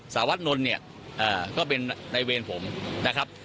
สารวัตนนท์เนี่ยก็เป็นในเวรผมนะครับ